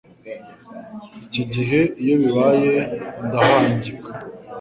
Iki gihe iyo bibaye ndahangika